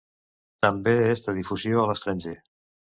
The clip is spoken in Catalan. També és de difusió a l'estranger.